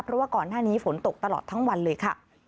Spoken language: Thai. เพราะว่าก่อนหน้านี้ฝนตกตลอดทั้งวันเลยค่ะ